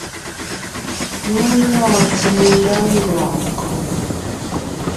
Mé gɔɔn tsìŋe ndá ngɔɔn kɔ́?